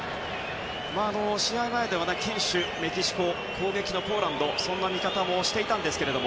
試合前では堅守メキシコ攻撃のポーランドというそんな見方もありましたが。